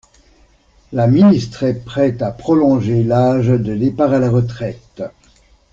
La ministre est prête à prolonger l’âge de départ à la retraite.